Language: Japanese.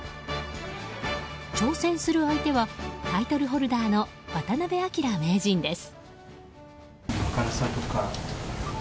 挑戦する相手はタイトルホルダーの渡辺明名人です。